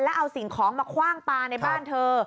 แล้วเอาสิ่งของมาคว่างปลาในบ้านเธอ